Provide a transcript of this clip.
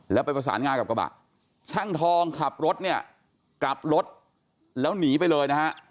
แล้วไปประสานงานกับกระบะช่างทองขับรถเนี่ยกลับรถแล้วหนีไปเลยนะฮะ